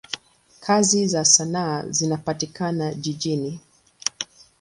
Kazi za sanaa zinapatikana jijini.